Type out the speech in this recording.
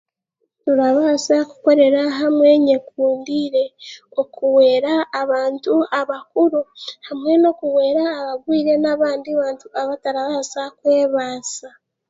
Turabaasa kukorera hamwe nyekundiire okuweera abantu abakuru amwe n'okuwera abarwaire hamwe n'abandi abatarabaasa kwebaasa.